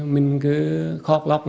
mình khóc lọc